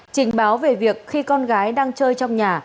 trình báo về việc khi con gái đang chơi trong nhà